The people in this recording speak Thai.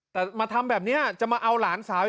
แต่มาทำแบบนี้จะมาเอาหลานสาว